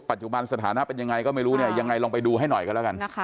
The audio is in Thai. ปัจจุบันสถานะเป็นยังไงก็ไม่รู้ยังไงลองไปดูให้หน่อยก็แล้วกัน